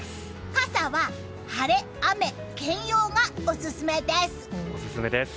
傘は晴れ雨兼用がオススメです！